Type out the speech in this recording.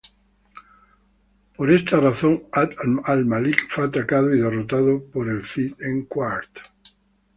Por esta razón Abd al-Malik fue atacado y derrotado por el Cid en Quart.